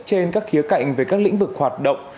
trên các khía cạnh về các lĩnh vực hoạt động